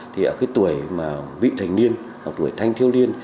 thì ở tuổi vị thành niên tuổi thanh thiêu liên